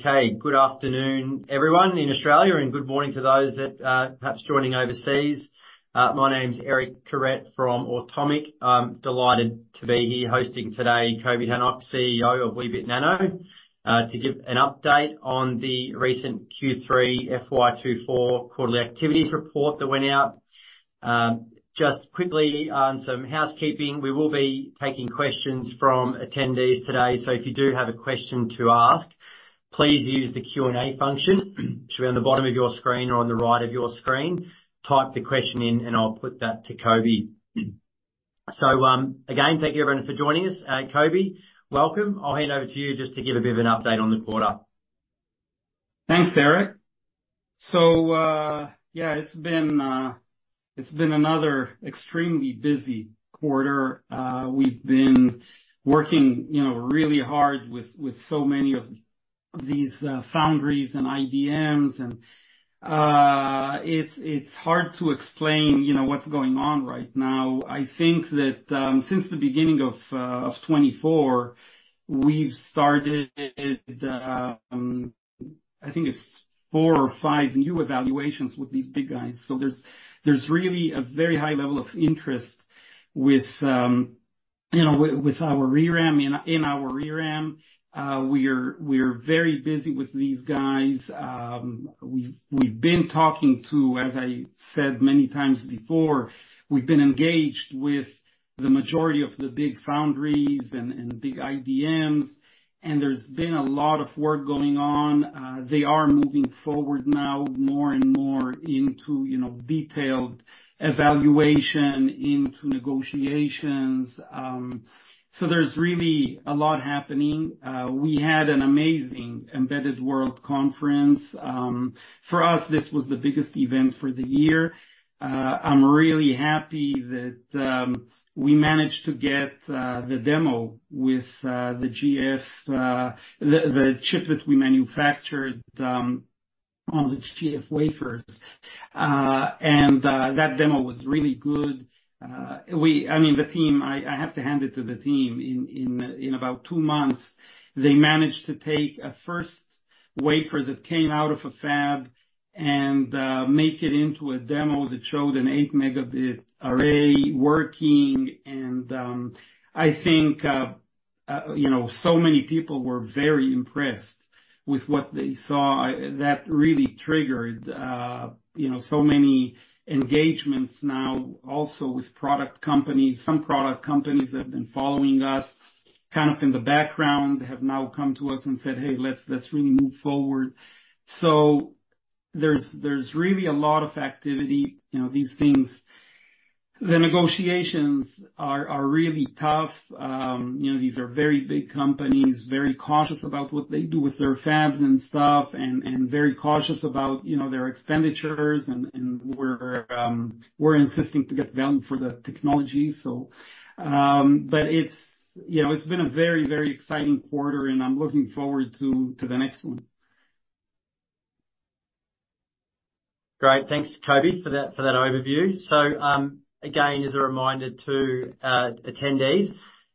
Okay, good afternoon, everyone in Australia, and good morning to those that are, perhaps, joining overseas. My name's Eric Kuret from Automic. I'm delighted to be here hosting today, Coby Hanoch, CEO of Weebit Nano, to give an update on the recent Q3 FY 2024 quarterly activities report that went out. Just quickly on some housekeeping, we will be taking questions from attendees today. So if you do have a question to ask, please use the Q&A function, should be on the bottom of your screen or on the right of your screen. Type the question in, and I'll put that to Coby Hanoch. So, again, thank you everyone for joining us. Coby Hanoch, welcome. I'll hand over to you just to give a bit of an update on the quarter. Thanks, Eric. So, yeah, it's been another extremely busy quarter. We've been working, you know, really hard with so many of these foundries and IDMs, and it's hard to explain, you know, what's going on right now. I think that since the beginning of 2024, we've started, I think it's four or five new evaluations with these big guys. So there's really a very high level of interest with, you know, with our ReRAM, in our ReRAM. We're very busy with these guys. We've been talking to, as I said many times before, we've been engaged with the majority of the big foundries and big IDMs, and there's been a lot of work going on. They are moving forward now more and more into, you know, detailed evaluation into negotiations. So there's really a lot happening. We had an amazing Embedded World Conference. For us, this was the biggest event for the year. I'm really happy that we managed to get the demo with the GF. The chip that we manufactured on the GF wafers. And that demo was really good. I mean, the team, I have to hand it to the team, in about 2 months, they managed to take a first wafer that came out of a fab and make it into a demo that showed an 8 megabit array working. And I think, you know, so many people were very impressed with what they saw. That really triggered, you know, so many engagements now also with product companies. Some product companies that have been following us, kind of in the background, have now come to us and said, "Hey, let's really move forward." So there's really a lot of activity. You know, these things... The negotiations are really tough. You know, these are very big companies, very cautious about what they do with their fabs and stuff, and very cautious about, you know, their expenditures. And we're insisting to get value for the technology. So, but it's, you know, it's been a very, very exciting quarter, and I'm looking forward to the next one. Great. Thanks, Coby, for that, for that overview. So, again, as a reminder to attendees,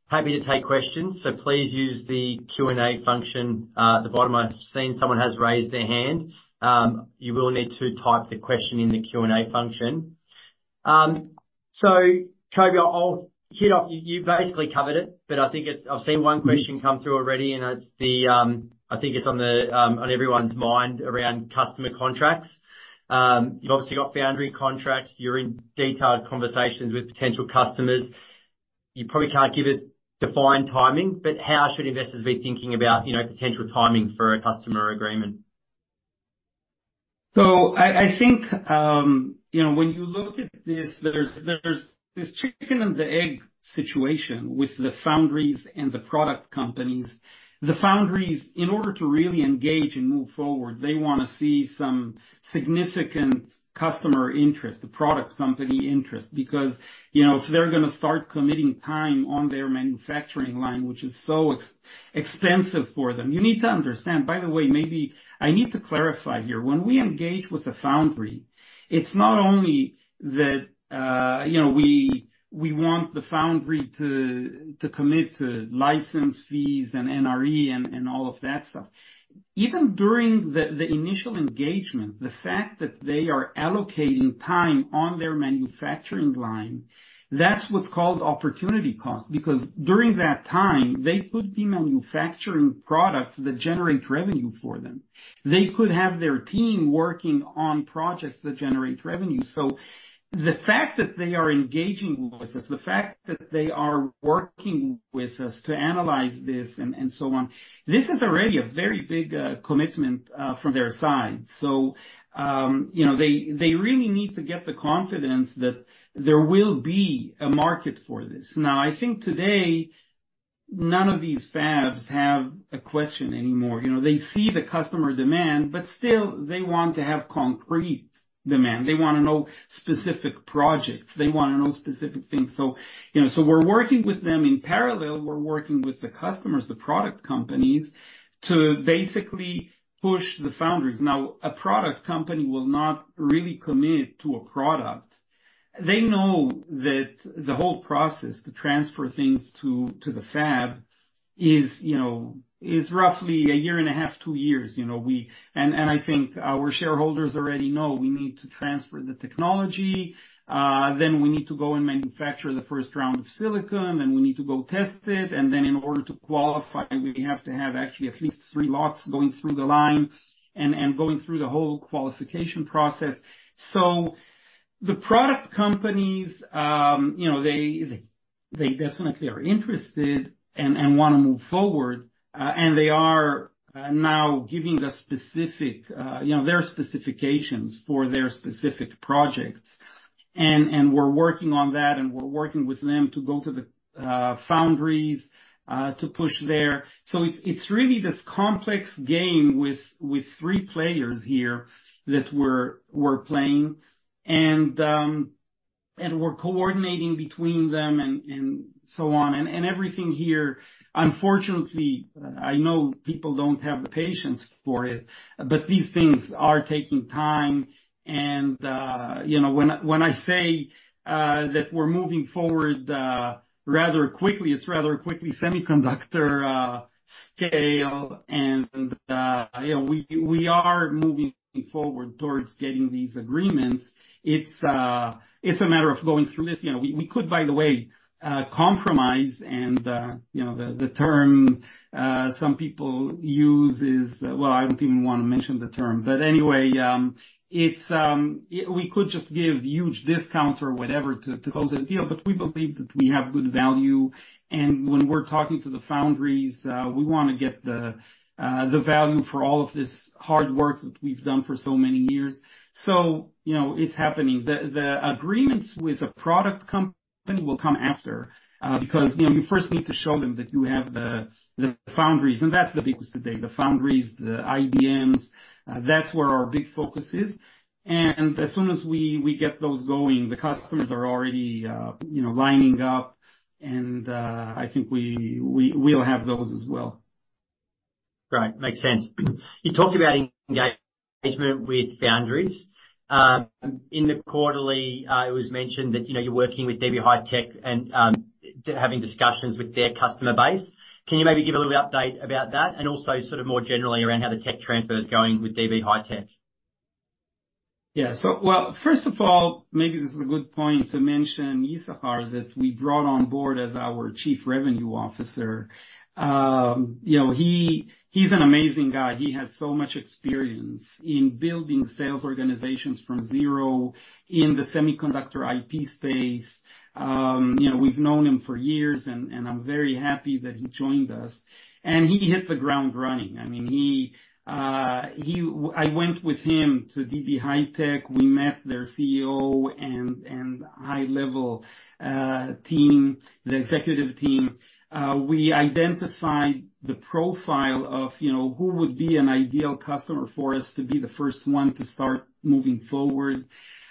happy to take questions, so please use the Q&A function at the bottom. I've seen someone has raised their hand. You will need to type the question in the Q&A function. So Coby, I'll kick off, you've basically covered it, but I think it's. I've seen one question come through already, and it's the, I think it's on the, on everyone's mind around customer contracts. You've obviously got foundry contracts. You're in detailed conversations with potential customers. You probably can't give us defined timing, but how should investors be thinking about, you know, potential timing for a customer agreement? So I think, you know, when you look at this, there's this chicken and the egg situation with the foundries and the product companies. The foundries, in order to really engage and move forward, they want to see some significant customer interest, the product company interest, because, you know, if they're going to start committing time on their manufacturing line, which is so expensive for them, you need to understand. By the way, maybe I need to clarify here. When we engage with a foundry, it's not only that, you know, we want the foundry to commit to license fees and NRE and all of that stuff. Even during the initial engagement, the fact that they are allocating time on their manufacturing line, that's what's called opportunity cost, because during that time, they could be manufacturing products that generate revenue for them. They could have their team working on projects that generate revenue. So the fact that they are engaging with us, the fact that they are working with us to analyze this and so on, this is already a very big commitment from their side. So, you know, they really need to get the confidence that there will be a market for this. Now, I think today, none of these fabs have a question anymore. You know, they see the customer demand, but still they want to have concrete demand. They want to know specific projects. They want to know specific things. So, you know, so we're working with them in parallel. We're working with the customers, the product companies, to basically push the foundries. Now, a product company will not really commit to a product. They know that the whole process to transfer things to the fab is, you know, roughly a year and a half, 2 years, you know. And I think our shareholders already know we need to transfer the technology, then we need to go and manufacture the first round of silicon, and we need to go test it, and then in order to qualify, we have to have actually at least three lots going through the line and going through the whole qualification process. So the product companies, you know, they definitely are interested and wanna move forward, and they are now giving the specific, you know, their specifications for their specific projects. And we're working on that, and we're working with them to go to the foundries to push there. So it's really this complex game with three players here that we're playing, and we're coordinating between them and so on. And everything here, unfortunately, I know people don't have the patience for it, but these things are taking time. And you know, when I say that we're moving forward rather quickly, it's rather quickly semiconductor scale, and you know, we are moving forward towards getting these agreements. It's a matter of going through this. You know, we could, by the way, compromise and you know, the term some people use is... Well, I don't even want to mention the term. But anyway, it's, we could just give huge discounts or whatever to close the deal, but we believe that we have good value, and when we're talking to the foundries, we wanna get the value for all of this hard work that we've done for so many years. So, you know, it's happening. The agreements with the product company will come after, because, you know, you first need to show them that you have the foundries, and that's the biggest today, the foundries, the IDMs, that's where our big focus is. And as soon as we get those going, the customers are already, you know, lining up, and I think we'll have those as well. Great. Makes sense. You talked about engagement with foundries. In the quarterly, it was mentioned that, you know, you're working with DB HiTek and, having discussions with their customer base. Can you maybe give a little update about that? And also, sort of more generally around how the tech transfer is going with DB HiTek. Yeah. So, well, first of all, maybe this is a good point to mention Ishachar, that we brought on board as our Chief Revenue Officer. You know, he, he's an amazing guy. He has so much experience in building sales organizations from zero in the semiconductor IP space. You know, we've known him for years, and, and I'm very happy that he joined us. And he hit the ground running. I mean, I went with him to DB HiTek. We met their CEO and, and high-level team, the executive team. We identified the profile of, you know, who would be an ideal customer for us to be the first one to start moving forward.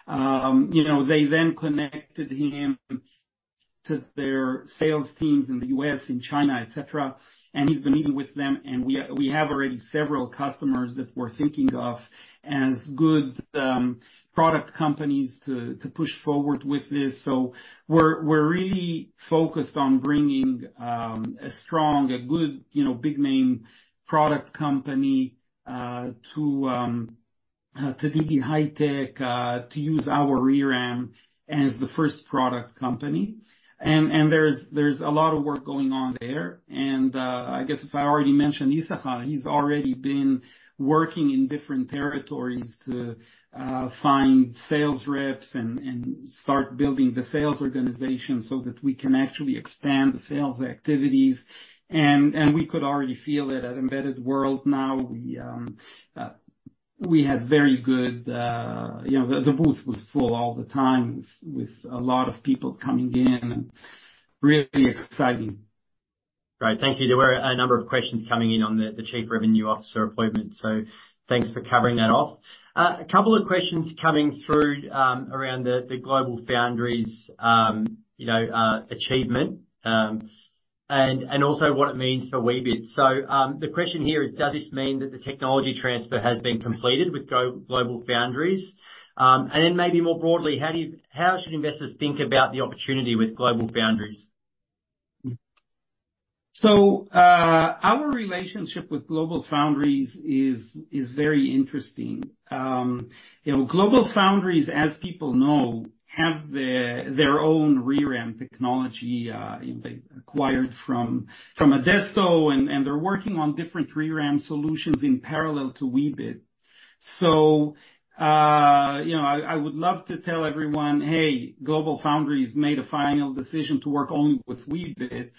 You know, they then connected him to their sales teams in the U.S., in China, etc., and he's been meeting with them, and we, we have already several customers that we're thinking of as good product companies to push forward with this. So we're, we're really focused on bringing a strong, a good, you know, big name product company to DB HiTek to use our ReRAM as the first product company. And there's a lot of work going on there. And I guess if I already mentioned Ishachar, he's already been working in different territories to find sales reps and start building the sales organization so that we can actually expand the sales activities. And we could already feel it at Embedded World now, we had very good, you know... The booth was full all the time with a lot of people coming in, and really exciting. Great. Thank you. There were a number of questions coming in on the Chief Revenue Officer appointment, so thanks for covering that off. A couple of questions coming through around the GlobalFoundries achievement and also what it means for Weebit. So, the question here is: Does this mean that the technology transfer has been completed with GlobalFoundries? And then maybe more broadly, how do you-- How should investors think about the opportunity with GlobalFoundries? So, our relationship with GlobalFoundries is very interesting. You know, GlobalFoundries, as people know, have their own ReRAM technology, acquired from Adesto, and they're working on different ReRAM solutions in parallel to Weebit. So, you know, I would love to tell everyone, "Hey, GlobalFoundries made a final decision to work only with Weebit."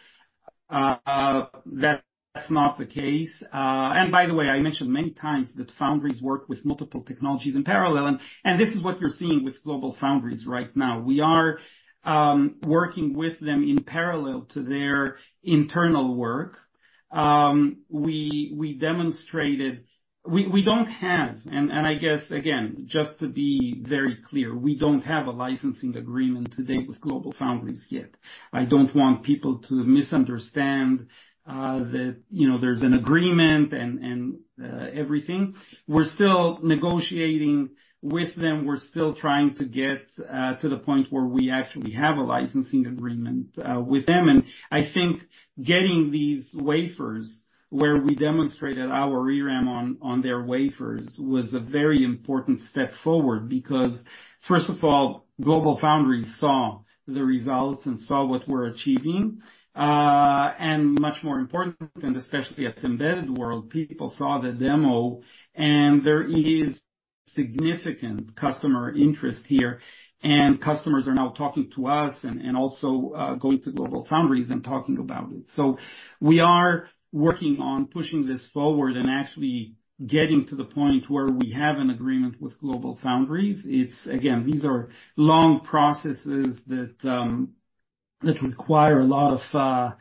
That's not the case. And by the way, I mentioned many times that foundries work with multiple technologies in parallel, and this is what you're seeing with GlobalFoundries right now. We are working with them in parallel to their internal work. We don't have, and I guess, again, just to be very clear, we don't have a licensing agreement to date with GlobalFoundries yet. I don't want people to misunderstand, that, you know, there's an agreement and, and, everything. We're still negotiating with them. We're still trying to get, to the point where we actually have a licensing agreement, with them. And I think getting these wafers, where we demonstrated our ReRAM on, on their wafers, was a very important step forward. Because, first of all, GlobalFoundries saw the results and saw what we're achieving. And much more important, and especially at Embedded World, people saw the demo, and there is significant customer interest here, and customers are now talking to us and, and also, going to GlobalFoundries and talking about it. So we are working on pushing this forward and actually getting to the point where we have an agreement with GlobalFoundries. It's, again, these are long processes that require a lot of,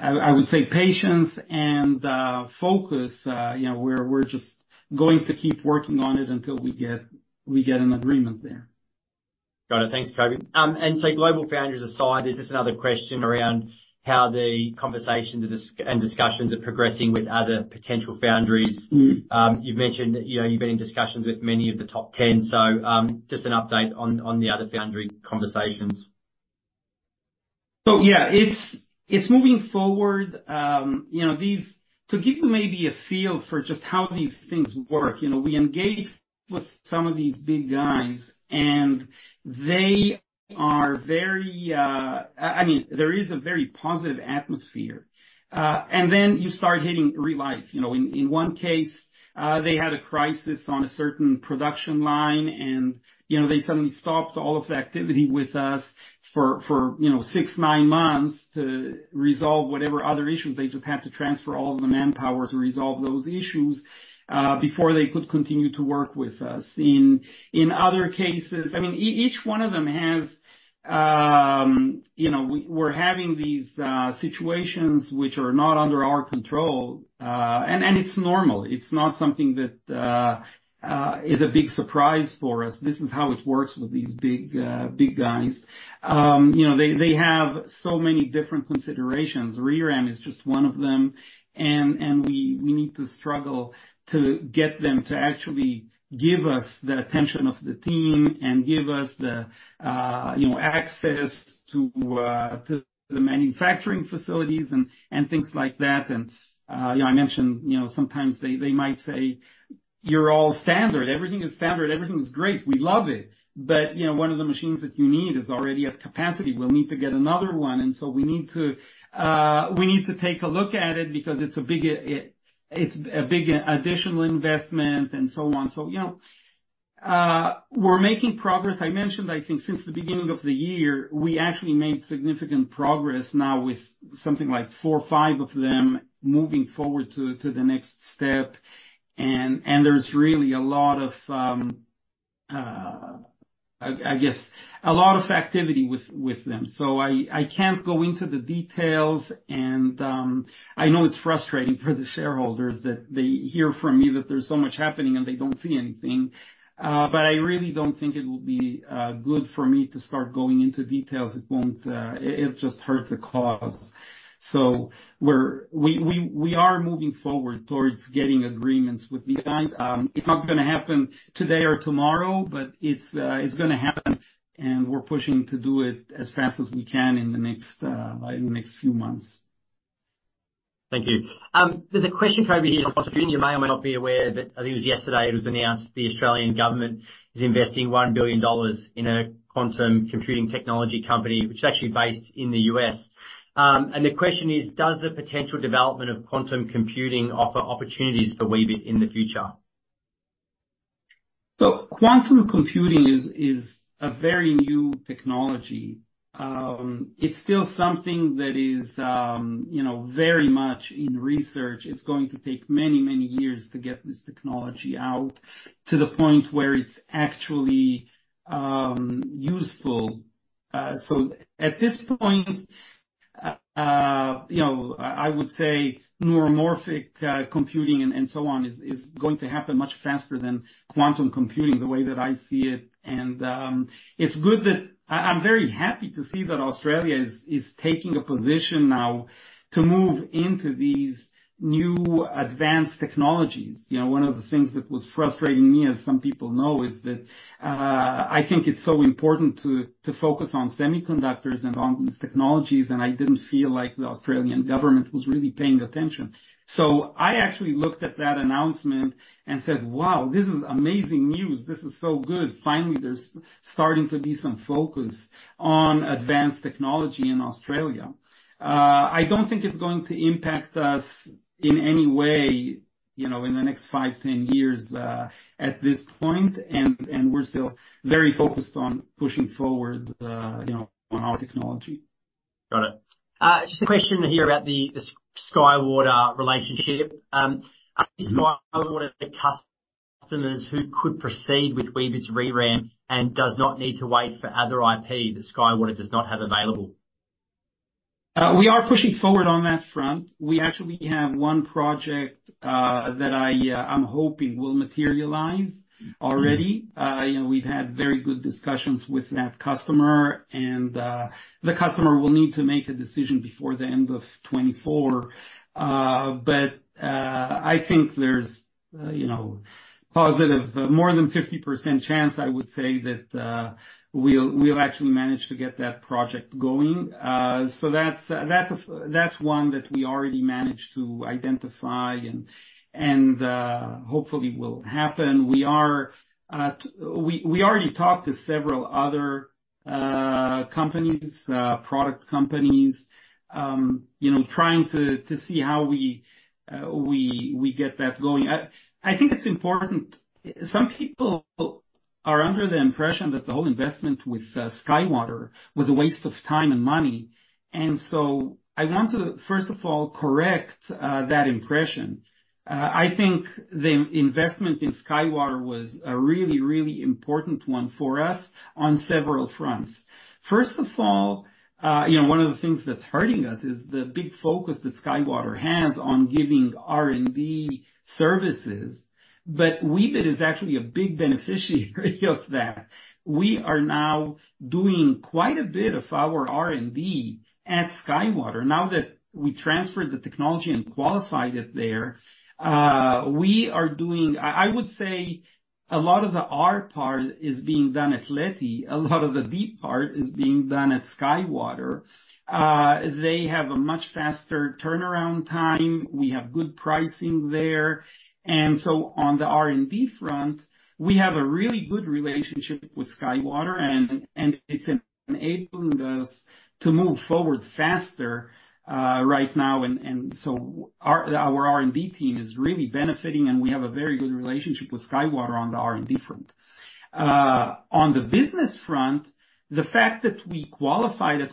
I would say patience and focus, you know, we're just going to keep working on it until we get an agreement there. Got it. Thanks, Coby. And so, GlobalFoundries aside, is just another question around how the conversations and discussions are progressing with other potential foundries. Mm. You've mentioned that, you know, you've been in discussions with many of the top ten, so just an update on the other foundry conversations. So yeah, it's moving forward, you know. To give you maybe a feel for just how these things work, you know, we engage with some of these big guys, and they are very... I mean, there is a very positive atmosphere. And then you start hitting real life. You know, in one case, they had a crisis on a certain production line and, you know, they suddenly stopped all of the activity with us for, you know, 6-9 months to resolve whatever other issues. They just had to transfer all of the manpower to resolve those issues before they could continue to work with us. In other cases, I mean, each one of them has, you know, we're having these situations which are not under our control, and it's normal. It's not something that is a big surprise for us. This is how it works with these big, big guys. You know, they have so many different considerations, ReRAM is just one of them, and we need to struggle to get them to actually give us the attention of the team and give us the, you know, access to the manufacturing facilities and things like that. And, you know, I mentioned, you know, sometimes they might say, "You're all standard. Everything is standard, everything is great. We love it." But, you know, one of the machines that you need is already at capacity. We'll need to get another one, and so we need to take a look at it because it's a big additional investment, and so on. So, you know, we're making progress. I mentioned, I think, since the beginning of the year, we actually made significant progress now with something like 4 or 5 of them moving forward to the next step. And there's really a lot of, I guess, a lot of activity with them. So I can't go into the details, and I know it's frustrating for the shareholders that they hear from me that there's so much happening and they don't see anything, but I really don't think it would be good for me to start going into details. It won't. It, it'll just hurt the cause. So we're moving forward towards getting agreements with these guys. It's not gonna happen today or tomorrow, but it's gonna happen, and we're pushing to do it as fast as we can in the next, by the next few months. Thank you. There's a question Coby here, you may or may not be aware, but I think it was yesterday, it was announced the Australian government is investing $1 billion in a quantum computing technology company, which is actually based in the U.S. The question is: Does the potential development of quantum computing offer opportunities for Weebit in the future? So quantum computing is a very new technology. It's still something that is, you know, very much in research. It's going to take many, many years to get this technology out to the point where it's actually useful. So at this point, you know, I would say neuromorphic computing and so on is going to happen much faster than quantum computing, the way that I see it. And it's good that... I'm very happy to see that Australia is taking a position now to move into these new advanced technologies. You know, one of the things that was frustrating me, as some people know, is that I think it's so important to focus on semiconductors and on these technologies, and I didn't feel like the Australian government was really paying attention. So I actually looked at that announcement and said: Wow, this is amazing news! This is so good. Finally, there's starting to be some focus on advanced technology in Australia. I don't think it's going to impact us in any way, you know, in the next 5 years, 10 years, at this point, and, and we're still very focused on pushing forward, you know, on our technology. Got it. Just a question here about the SkyWater relationship. Are SkyWater customers who could proceed with Weebit's ReRAM and does not need to wait for other IP that SkyWater does not have available? We are pushing forward on that front. We actually have one project that I, I'm hoping will materialize already. You know, we've had very good discussions with that customer, and the customer will need to make a decision before the end of 2024. But I think there's, you know, positive, more than 50% chance, I would say, that we'll actually manage to get that project going. So that's one that we already managed to identify and hopefully will happen. We already talked to several other companies, product companies, you know, trying to see how we get that going. I think it's important. Some people are under the impression that the whole investment with SkyWater was a waste of time and money, and so I want to, first of all, correct that impression. I think the investment in SkyWater was a really, really important one for us on several fronts. First of all, you know, one of the things that's hurting us is the big focus that SkyWater has on giving R&D services, but Weebit is actually a big beneficiary of that. We are now doing quite a bit of our R&D at SkyWater. Now that we transferred the technology and qualified it there, we are doing... I, I would say a lot of the R part is being done at Leti, a lot of the D part is being done at SkyWater. They have a much faster turnaround time. We have good pricing there. On the R&D front, we have a really good relationship with SkyWater, and it's enabling us to move forward faster right now. Our R&D team is really benefiting, and we have a very good relationship with SkyWater on the R&D front. On the business front, the fact that we qualified at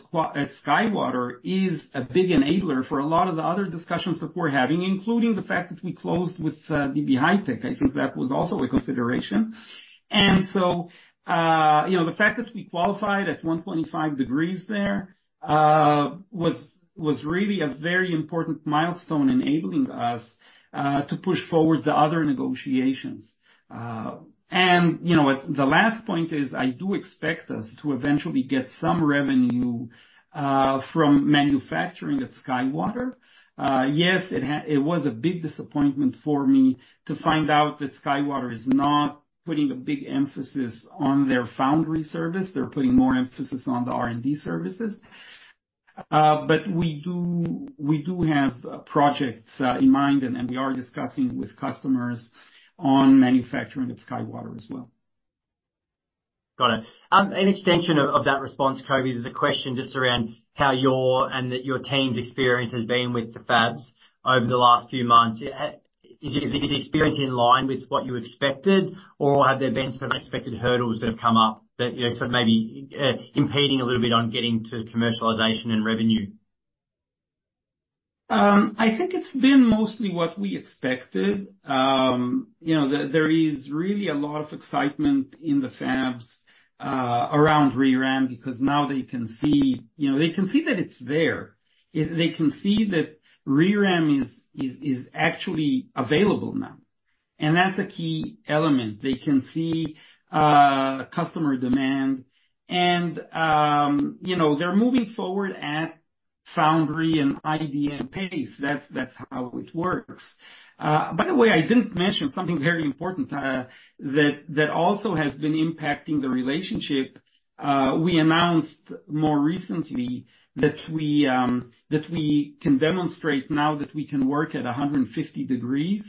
SkyWater is a big enabler for a lot of the other discussions that we're having, including the fact that we closed with DB HiTek. I think that was also a consideration. You know, the fact that we qualified at 125 degrees there was really a very important milestone, enabling us to push forward the other negotiations. You know, the last point is, I do expect us to eventually get some revenue from manufacturing at SkyWater. Yes, it was a big disappointment for me to find out that SkyWater is not putting a big emphasis on their foundry service. They're putting more emphasis on the R&D services. But we do, we do have projects in mind, and we are discussing with customers on manufacturing at SkyWater as well. Got it. An extension of that response, Coby, there's a question just around how your and your team's experience has been with the fabs over the last few months. Is the experience in line with what you expected, or have there been some unexpected hurdles that have come up that, you know, sort of maybe impeding a little bit on getting to commercialization and revenue? I think it's been mostly what we expected. You know, there is really a lot of excitement in the fabs around ReRAM, because now they can see. You know, they can see that it's there. They can see that ReRAM is actually available now, and that's a key element. They can see customer demand, and you know, they're moving forward at foundry and IDM pace. That's how it works. By the way, I didn't mention something very important that also has been impacting the relationship. We announced more recently that we can demonstrate now that we can work at 150 degrees,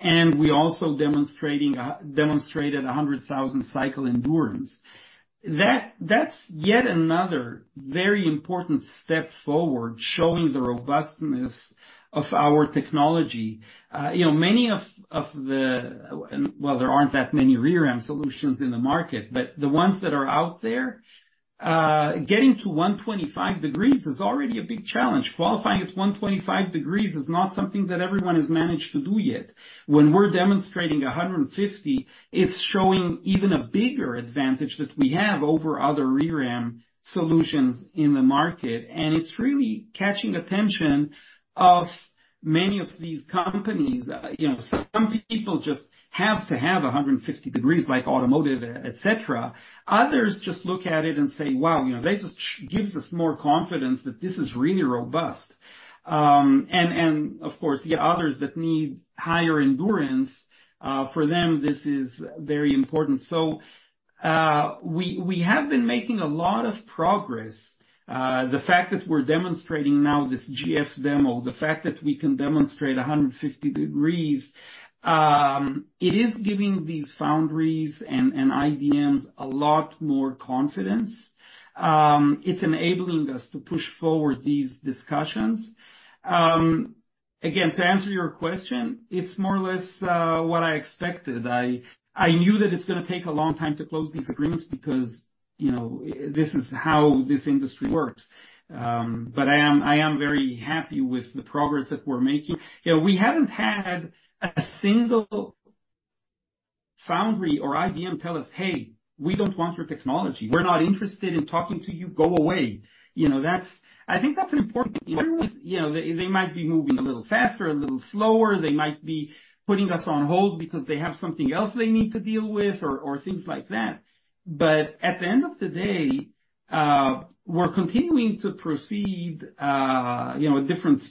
and we're also demonstrated 100,000 cycle endurance. That's yet another very important step forward, showing the robustness of our technology. Well, there aren't that many ReRAM solutions in the market, but the ones that are out there, getting to 125 degrees is already a big challenge. Qualifying at 125 degrees is not something that everyone has managed to do yet. When we're demonstrating 150, it's showing even a bigger advantage that we have over other ReRAM solutions in the market, and it's really catching attention of many of these companies. You know, some people just have to have 150 degrees, like automotive, et cetera. Others just look at it and say, "Wow!" You know, that just gives us more confidence that this is really robust. Of course, the others that need higher endurance, for them, this is very important. So, we have been making a lot of progress. The fact that we're demonstrating now this GF demo, the fact that we can demonstrate 150 degrees, it is giving these foundries and IDMs a lot more confidence. It's enabling us to push forward these discussions. Again, to answer your question, it's more or less what I expected. I knew that it's going to take a long time to close these agreements because, you know, this is how this industry works. But I am very happy with the progress that we're making. You know, we haven't had a single foundry or IDM tell us, "Hey, we don't want your technology. We're not interested in talking to you. Go away." You know, that's... I think that's important. Everyone's, you know, they might be moving a little faster, a little slower. They might be putting us on hold because they have something else they need to deal with or things like that. But at the end of the day, we're continuing to proceed, you know, at different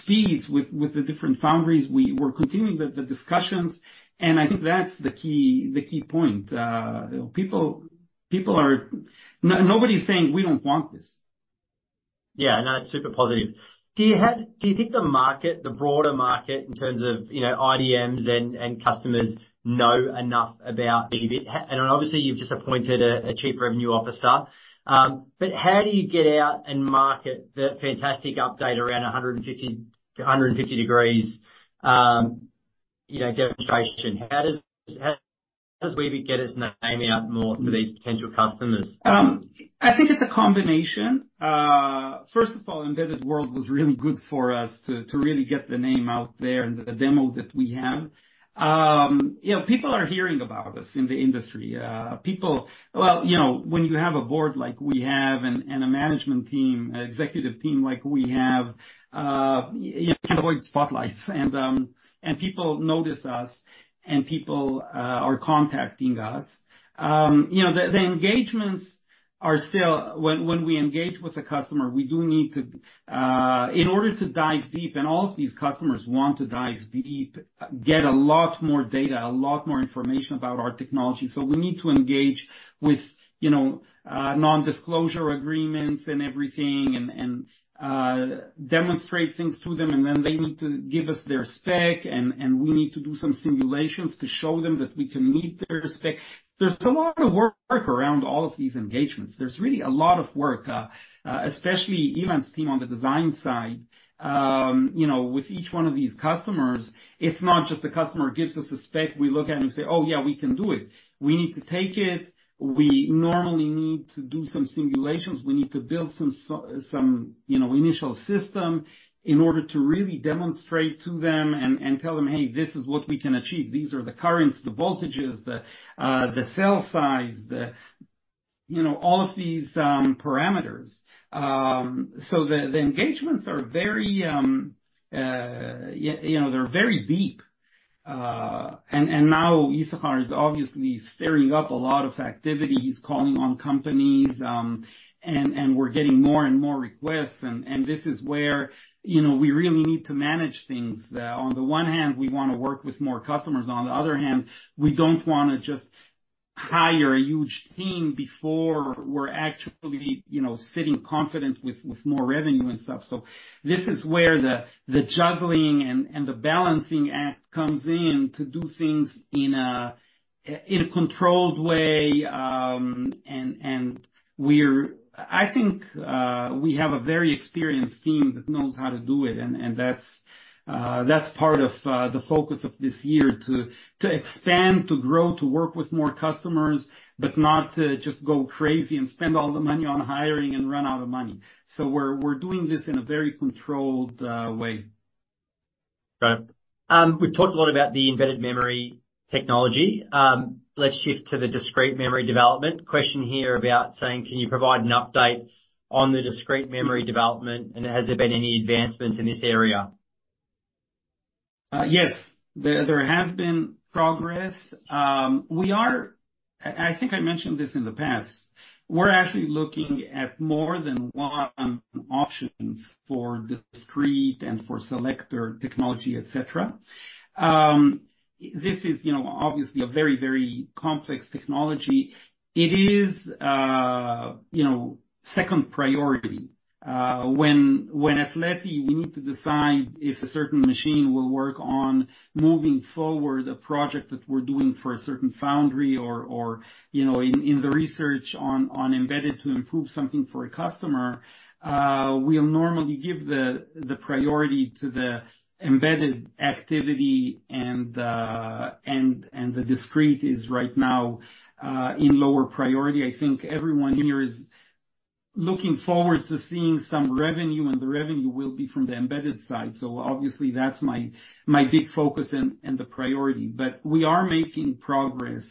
speeds with the different foundries. We're continuing the discussions, and I think that's the key point. Nobody's saying, "We don't want this.... Yeah, no, that's super positive. Do you think the market, the broader market, in terms of, you know, IDMs and, and customers know enough about Weebit? And obviously, you've just appointed a chief revenue officer. But how do you get out and market the fantastic update around 150, 150 degrees, you know, demonstration? How does Weebit get its name out more to these potential customers? I think it's a combination. First of all, Embedded World was really good for us to really get the name out there and the demo that we have. You know, people are hearing about us in the industry. People... Well, you know, when you have a board like we have, and a management team, executive team like we have, you can't avoid spotlights, and people notice us, and people are contacting us. You know, the engagements are still, when we engage with a customer, we do need to, in order to dive deep, and all of these customers want to dive deep, get a lot more data, a lot more information about our technology. We need to engage with, you know, non-disclosure agreements and everything, and demonstrate things to them, and then they need to give us their spec, and we need to do some simulations to show them that we can meet their spec. There's a lot of work around all of these engagements. There's really a lot of work, especially Ilan's team on the design side. You know, with each one of these customers, it's not just the customer gives us a spec, we look at it and say, "Oh, yeah, we can do it." We need to take it. We normally need to do some simulations. We need to build some, you know, initial system in order to really demonstrate to them and tell them, "Hey, this is what we can achieve. These are the currents, the voltages, the cell size, the... You know, all of these parameters. So the engagements are very, you know, they're very deep. And now Ishachar is obviously stirring up a lot of activities, calling on companies, and we're getting more and more requests, and this is where, you know, we really need to manage things. On the one hand, we want to work with more customers, and on the other hand, we don't wanna just hire a huge team before we're actually, you know, sitting confident with more revenue and stuff. So this is where the juggling and the balancing act comes in to do things in a controlled way, and we're—I think we have a very experienced team that knows how to do it, and that's part of the focus of this year, to expand, to grow, to work with more customers, but not to just go crazy and spend all the money on hiring and run out of money. So we're doing this in a very controlled way. Great. We've talked a lot about the embedded memory technology. Let's shift to the discrete memory development. Question here about saying: Can you provide an update on the discrete memory development, and has there been any advancements in this area? Yes, there, there has been progress. I, I think I mentioned this in the past. We're actually looking at more than one option for discrete and for selector technology, et cetera. This is, you know, obviously a very, very complex technology. It is, you know, second priority. When, when Leti, we need to decide if a certain machine will work on moving forward a project that we're doing for a certain foundry or, or, you know, in, in the research on, on embedded to improve something for a customer, we'll normally give the, the priority to the embedded activity, and, and, and the discrete is right now, in lower priority. I think everyone here is looking forward to seeing some revenue, and the revenue will be from the embedded side. So obviously, that's my big focus and the priority. But we are making progress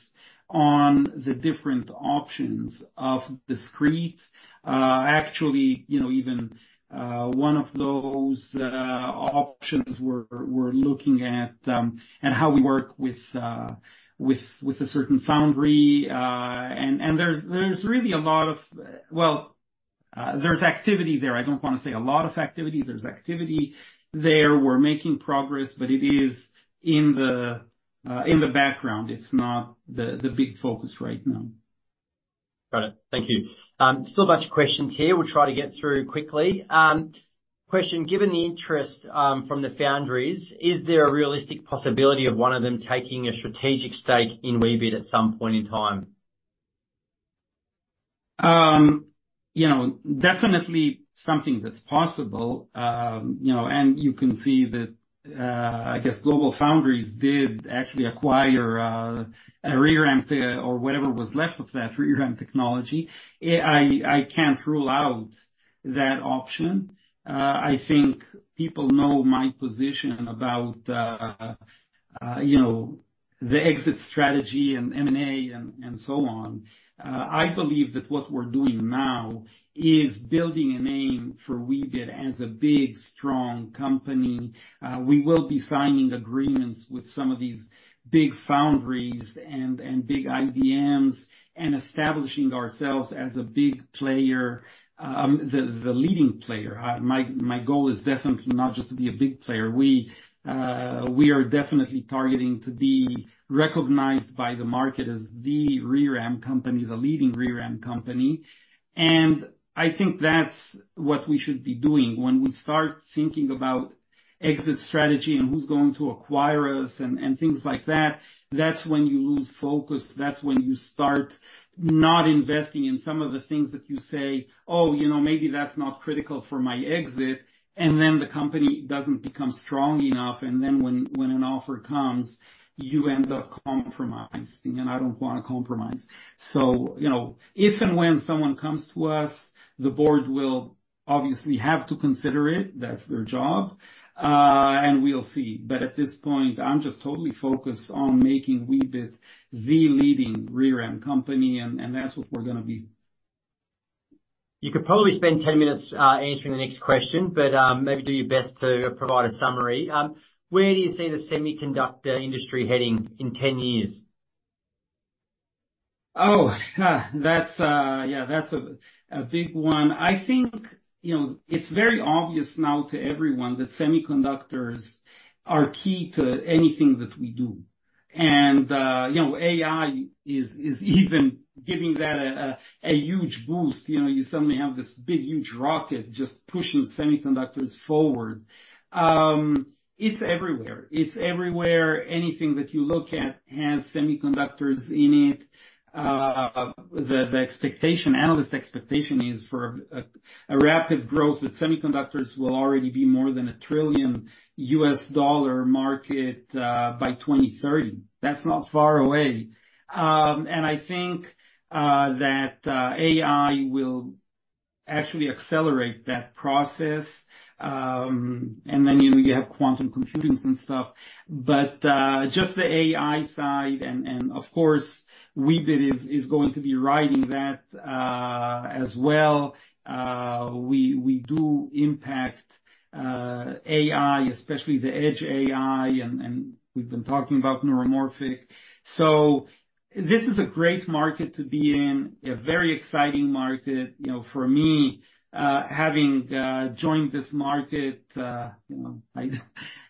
on the different options of discrete. Actually, you know, even one of those options we're looking at, and how we work with a certain foundry, and there's really a lot of... Well, there's activity there. I don't want to say a lot of activity. There's activity there. We're making progress, but it is in the background. It's not the big focus right now. Got it. Thank you. Still a bunch of questions here. We'll try to get through quickly. Question: Given the interest from the foundries, is there a realistic possibility of one of them taking a strategic stake in Weebit at some point in time? You know, definitely something that's possible. You know, and you can see that, I guess GlobalFoundries did actually acquire, a ReRAM tech or whatever was left of that ReRAM technology. I can't rule out that option. I think people know my position about, you know, the exit strategy and M&A, and so on. I believe that what we're doing now is building a name for Weebit as a big, strong company. We will be signing agreements with some of these big foundries and big IDMs, and establishing ourselves as a big player, the leading player. My goal is definitely not just to be a big player. We, we are definitely targeting to be recognized by the market as the ReRAM company, the leading ReRAM company, and I think that's what we should be doing. When we start thinking about exit strategy and who's going to acquire us and, and things like that, that's when you lose focus, that's when you start not investing in some of the things that you say, "Oh, you know, maybe that's not critical for my exit." And then the company doesn't become strong enough, and then when an offer comes, you end up compromising, and I don't want to compromise. So, you know, if and when someone comes to us, the board will obviously have to consider it. That's their job. And we'll see. But at this point, I'm just totally focused on making Weebit the leading ReRAM company, and that's what we're gonna be. You could probably spend 10 minutes answering the next question, but maybe do your best to provide a summary. Where do you see the semiconductor industry heading in 10 years? Oh! That's, yeah, that's a big one. I think, you know, it's very obvious now to everyone that semiconductors are key to anything that we do. And, you know, AI is even giving that a huge boost. You know, you suddenly have this big, huge rocket just pushing semiconductors forward. It's everywhere. It's everywhere. Anything that you look at has semiconductors in it. The expectation, analyst expectation is for a rapid growth, that semiconductors will already be more than a $1 trillion market by 2030. That's not far away. And I think, that AI will actually accelerate that process, and then, you have quantum computers and stuff. But, just the AI side, and, of course, Weebit is going to be riding that, as well. We do impact AI, especially the Edge AI, and we've been talking about neuromorphic. So this is a great market to be in, a very exciting market. You know, for me, having joined this market, you know,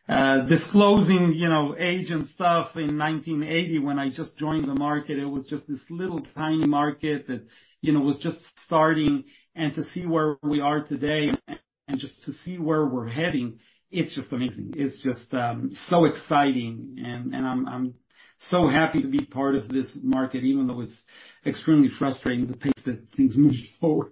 I'm disclosing, you know, age and stuff, in 1980, when I just joined the market, it was just this little tiny market that, you know, was just starting. And to see where we are today and just to see where we're heading, it's just amazing. It's just so exciting, and I'm so happy to be part of this market, even though it's extremely frustrating to think that things move forward.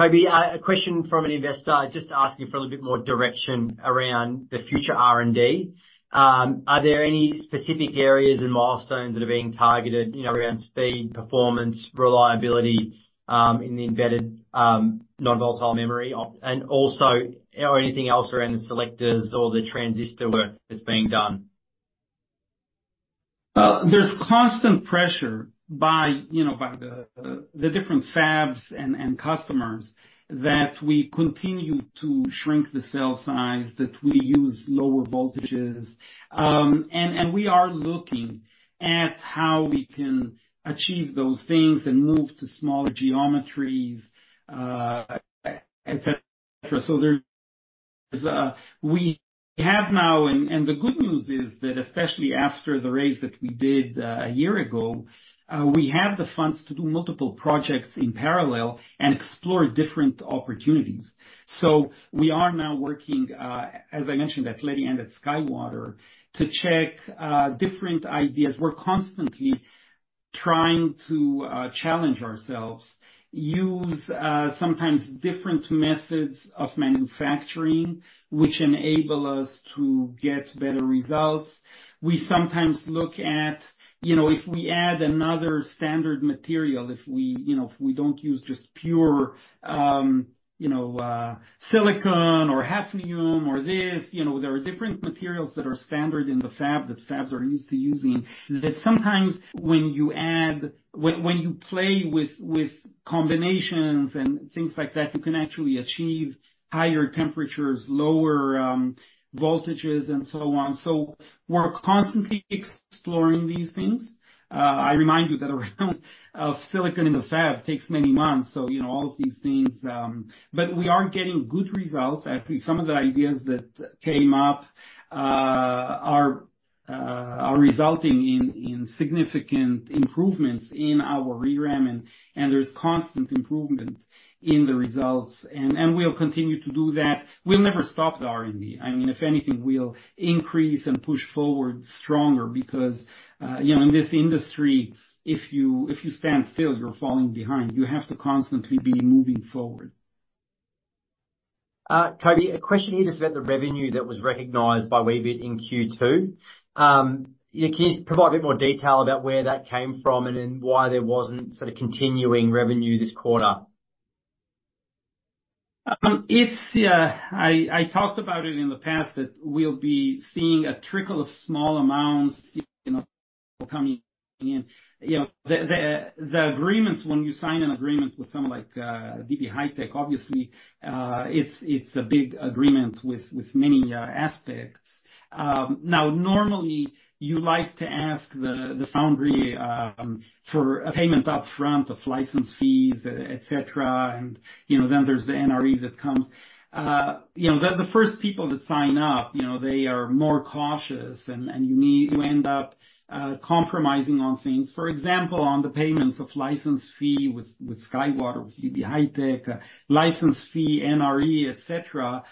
Coby, a question from an investor just asking for a little bit more direction around the future R&D. Are there any specific areas and milestones that are being targeted, you know, around speed, performance, reliability in the embedded non-volatile memory, and also or anything else around the selectors or the transistor work that's being done? Well, there's constant pressure by, you know, by the different fabs and customers, that we continue to shrink the cell size, that we use lower voltages. We are looking at how we can achieve those things and move to smaller geometries, et cetera, et cetera. So we have now, and the good news is that especially after the raise that we did a year ago, we have the funds to do multiple projects in parallel and explore different opportunities. So we are now working, as I mentioned, at Leti and at SkyWater, to check different ideas. We're constantly trying to challenge ourselves, use sometimes different methods of manufacturing, which enable us to get better results. We sometimes look at, you know, if we add another standard material, if we, you know, if we don't use just pure, you know, silicon or hafnium or this, you know, there are different materials that are standard in the fab, that fabs are used to using, that sometimes when you add... When you play with combinations and things like that, you can actually achieve higher temperatures, lower voltages, and so on. So we're constantly exploring these things. I remind you that a round of silicon in the fab takes many months, so you know, all of these things... But we are getting good results. Actually, some of the ideas that came up are resulting in significant improvements in our ReRAM, and there's constant improvement in the results. And we'll continue to do that. We'll never stop the R&D. I mean, if anything, we'll increase and push forward stronger because, you know, in this industry, if you, if you stand still, you're falling behind. You have to constantly be moving forward. Coby, a question here just about the revenue that was recognized by Weebit in Q2. Yeah, can you just provide a bit more detail about where that came from, and then why there wasn't sort of continuing revenue this quarter? I talked about it in the past, that we'll be seeing a trickle of small amounts, you know, coming in. You know, the agreements, when you sign an agreement with someone like DB HiTek, obviously, it's a big agreement with many aspects. Now, normally, you like to ask the foundry for a payment upfront of license fees, et cetera, and, you know, then there's the NRE that comes. You know, the first people that sign up, you know, they are more cautious, and you end up compromising on things. For example, on the payments of license fee with SkyWater, with DB HiTek, license fee, NRE, et cetera,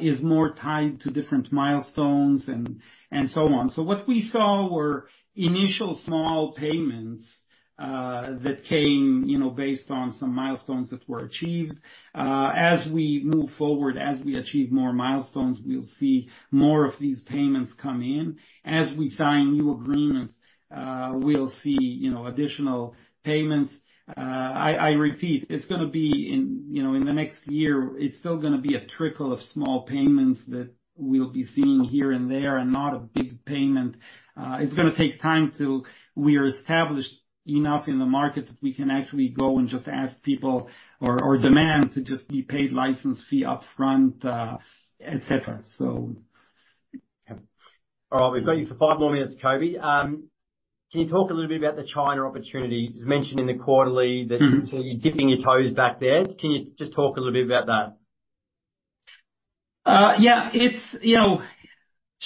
is more tied to different milestones and so on. So what we saw were initial small payments, that came, you know, based on some milestones that were achieved. As we move forward, as we achieve more milestones, we'll see more of these payments come in. As we sign new agreements, we'll see, you know, additional payments. I repeat, it's gonna be in, you know, in the next year, it's still gonna be a trickle of small payments that we'll be seeing here and there, and not a big payment. It's gonna take time till we are established enough in the market that we can actually go and just ask people or, or demand to just be paid license fee upfront, et cetera, so. All right, we've got you for five more minutes, Coby. Can you talk a little bit about the China opportunity? It was mentioned in the quarterly that- Mm-hmm. So you're dipping your toes back there. Can you just talk a little bit about that? Yeah, it's, you know,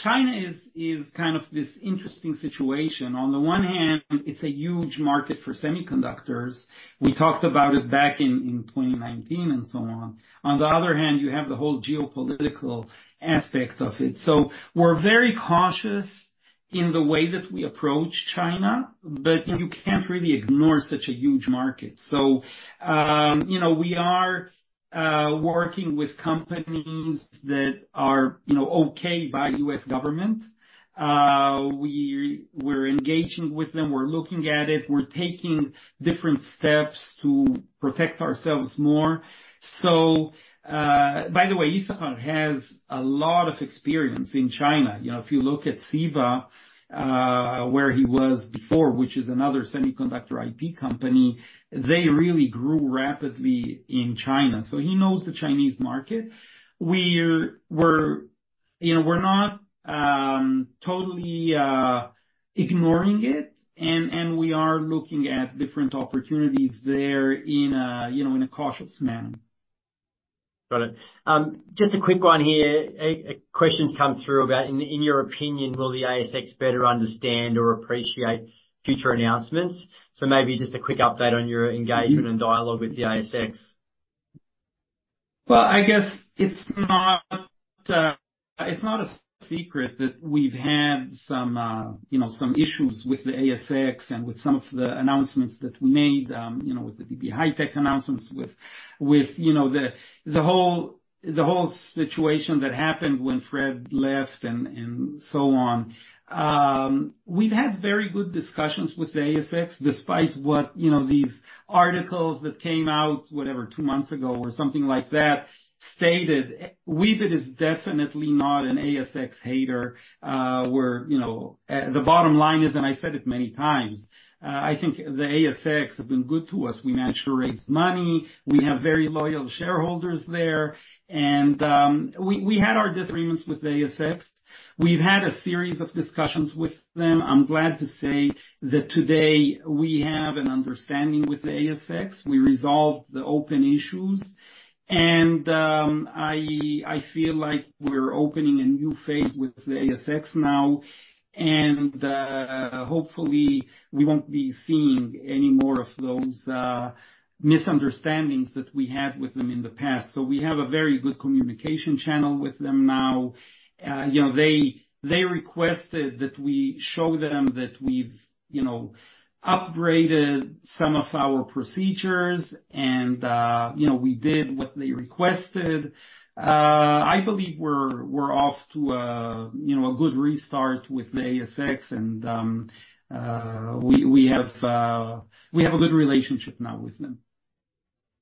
China is kind of this interesting situation. On the one hand, it's a huge market for semiconductors. We talked about it back in 2019, and so on. On the other hand, you have the whole geopolitical aspect of it. So we're very cautious in the way that we approach China, but you can't really ignore such a huge market. So, you know, we are working with companies that are, you know, okay by U.S. government. We're engaging with them, we're looking at it, we're taking different steps to protect ourselves more. So, by the way, Ishachar has a lot of experience in China. You know, if you look at CEVA, where he was before, which is another semiconductor IP company, they really grew rapidly in China, so he knows the Chinese market. We're, you know, we're not totally ignoring it, and we are looking at different opportunities there in a, you know, in a cautious manner. Got it. Just a quick one here. A question's come through about, in your opinion, will the ASX better understand or appreciate future announcements? So maybe just a quick update on your engagement- Mm-hmm. and dialogue with the ASX. Well, I guess it's not a secret that we've had some, you know, some issues with the ASX and with some of the announcements that we made, you know, with the DB HiTek announcements, with, you know, the whole situation that happened when Fred left and so on. We've had very good discussions with the ASX, despite what, you know, these articles that came out, whatever, two months ago or something like that, stated. Weebit is definitely not an ASX hater. We're, you know... The bottom line is, and I said it many times, I think the ASX has been good to us. We managed to raise money, we have very loyal shareholders there, and, we had our disagreements with the ASX. We've had a series of discussions with them. I'm glad to say that today we have an understanding with the ASX. We resolved the open issues, and I feel like we're opening a new phase with the ASX now, and hopefully, we won't be seeing any more of those misunderstandings that we had with them in the past. So we have a very good communication channel with them now. You know, they requested that we show them that we've you know upgraded some of our procedures, and you know, we did what they requested. I believe we're off to a you know a good restart with the ASX, and we have a good relationship now with them.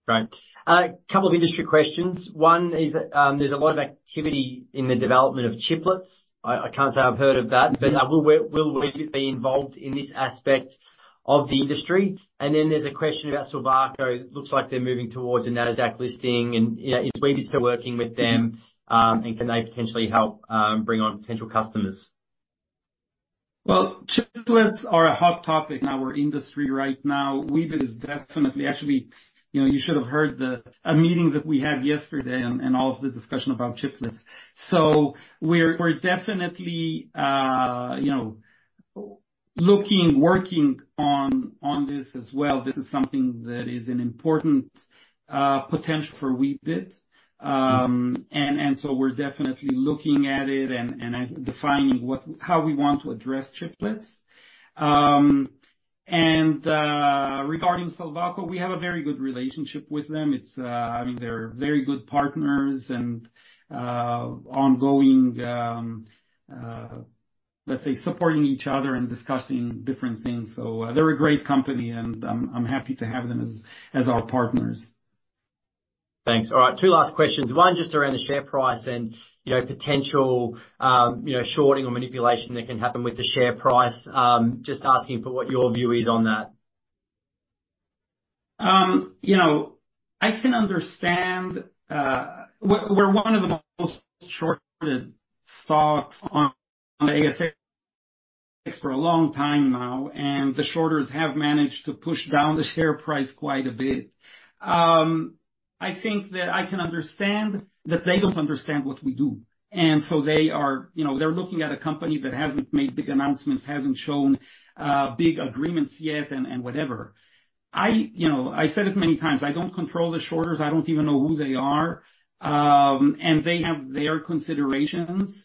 Great. Couple of industry questions. One is, there's a lot of activity in the development of chiplets. I can't say I've heard of that, but will Weebit be involved in this aspect of the industry? And then there's a question about Silvaco. Looks like they're moving towards a NASDAQ listing, and, you know, is Weebit still working with them, and can they potentially help bring on potential customers? Well, chiplets are a hot topic in our industry right now. Weebit is definitely actually you know, you should have heard a meeting that we had yesterday and all of the discussion about chiplets. So we're definitely you know, looking working on this as well. This is something that is an important potential for Weebit. And so we're definitely looking at it and defining how we want to address chiplets. And regarding Silvaco, we have a very good relationship with them. It's I mean, they're very good partners and ongoing let's say, supporting each other and discussing different things. So they're a great company, and I'm happy to have them as our partners. Thanks. All right, two last questions. One, just around the share price and, you know, potential, you know, shorting or manipulation that can happen with the share price. Just asking for what your view is on that? You know, I can understand we're one of the most shorted stocks on the ASX for a long time now, and the shorters have managed to push down the share price quite a bit. I think that I can understand that they don't understand what we do, and so they are, you know, they're looking at a company that hasn't made big announcements, hasn't shown big agreements yet and whatever. You know, I said it many times, I don't control the shorters. I don't even know who they are, and they have their considerations.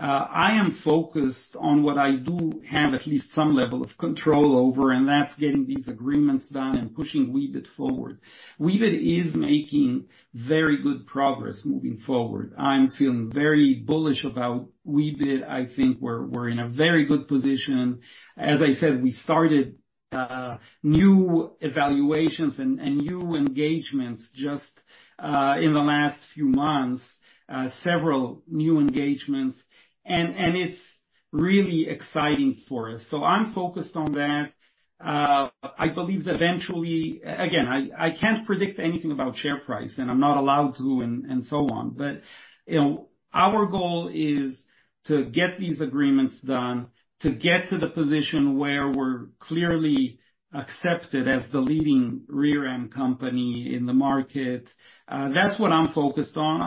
I am focused on what I do have at least some level of control over, and that's getting these agreements done and pushing Weebit forward. Weebit is making very good progress moving forward. I'm feeling very bullish about Weebit. I think we're in a very good position. As I said, we started new evaluations and new engagements just in the last few months, several new engagements, and it's really exciting for us. So I'm focused on that. I believe that eventually... Again, I can't predict anything about share price, and I'm not allowed to, and so on. But, you know, our goal is to get these agreements done, to get to the position where we're clearly accepted as the leading ReRAM company in the market. That's what I'm focused on.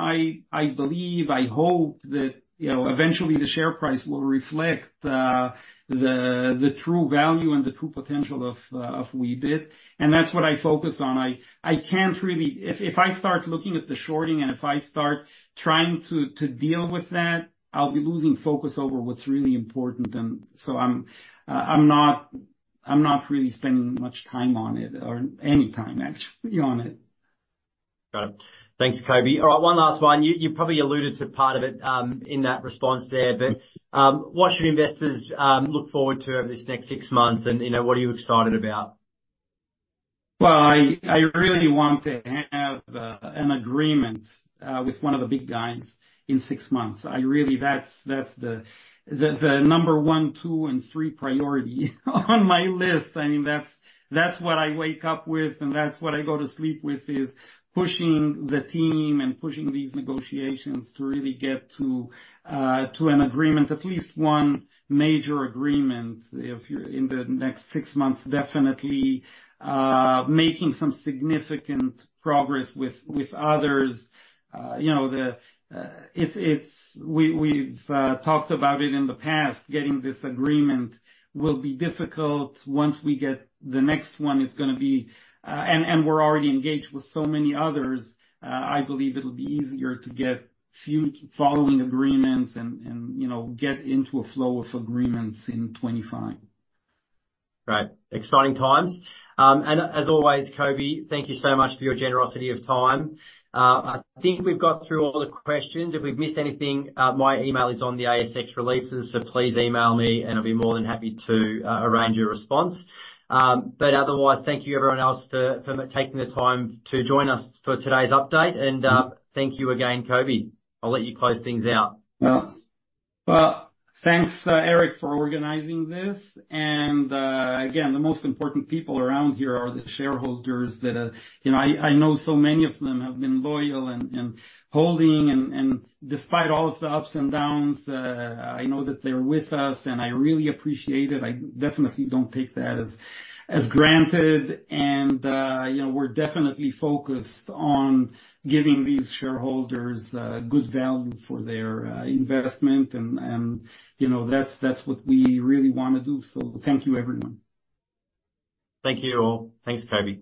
I believe, I hope that, you know, eventually the share price will reflect the true value and the true potential of Weebit, and that's what I focus on. I can't really. If I start looking at the shorting, and if I start trying to deal with that, I'll be losing focus over what's really important. And so I'm not really spending much time on it, or any time, actually, on it. Got it. Thanks, Coby. All right, one last one. You probably alluded to part of it in that response there, but what should investors look forward to over this next six months, and, you know, what are you excited about? Well, I really want to have an agreement with one of the big guys in six months. I really - That's the number one, two, and three priority on my list. I mean, that's what I wake up with, and that's what I go to sleep with, is pushing the team and pushing these negotiations to really get to an agreement, at least one major agreement, if in the next six months, definitely, making some significant progress with others. You know, it's - we've talked about it in the past, getting this agreement will be difficult. Once we get the next one, it's gonna be... We're already engaged with so many others. I believe it'll be easier to get few following agreements and, you know, get into a flow of agreements in 2025. Great! Exciting times. And as always, Coby, thank you so much for your generosity of time. I think we've got through all the questions. If we've missed anything, my email is on the ASX releases, so please email me, and I'll be more than happy to arrange a response. But otherwise, thank you everyone else for taking the time to join us for today's update. And, thank you again, Coby. I'll let you close things out. Well, well, thanks, Eric, for organizing this, and, again, the most important people around here are the shareholders that are... You know, I know so many of them have been loyal and holding, and despite all of the ups and downs, I know that they're with us, and I really appreciate it. I definitely don't take that as granted, and, you know, we're definitely focused on giving these shareholders good value for their investment, and, you know, that's what we really wanna do. So thank you, everyone. Thank you, all. Thanks, Coby.